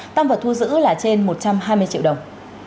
tăng vật thu giữ là trên một trăm hai mươi triệu đồng